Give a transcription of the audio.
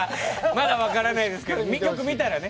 まだわからないですけどよく見たらね。